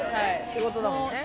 仕事だもんね。